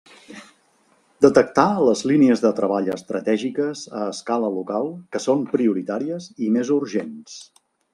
Detectar les línies de treball estratègiques a escala local que són prioritàries i més urgents.